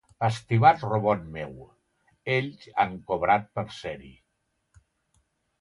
Estimat robot meu, ells han cobrat per ser-hi .